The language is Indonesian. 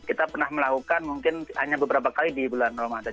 kita pernah melakukan mungkin hanya beberapa kali di bulan ramadan